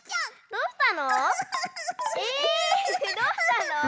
どうしたのよ？